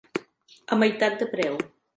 A meitat de preu.